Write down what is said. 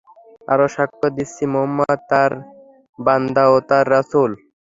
আরো সাক্ষ্য দিচ্ছি, মুহাম্মদ তার বান্দা ও তার রাসূল।